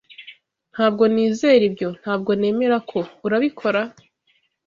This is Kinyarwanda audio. Ntabwo nizera ibyo. Ntabwo nemera ko. Urabikora?